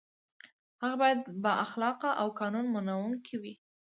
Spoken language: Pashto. هغه باید با اخلاقه او قانون منونکی وي.